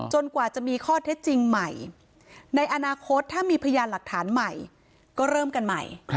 กว่าจะมีข้อเท็จจริงใหม่ในอนาคตถ้ามีพยานหลักฐานใหม่ก็เริ่มกันใหม่